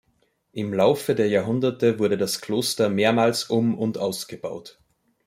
Im Laufe der Jahrhunderte wurde das Kloster mehrmals um- und ausgebaut.